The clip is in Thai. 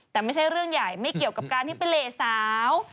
แต่ไม่ใช่เรื่องใหญ่ไม่เกี่ยวกับการที่ไปเหลสาว